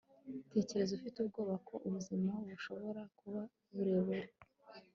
tekereza ufite ubwoba ko ubuzima bushobora kuba burebure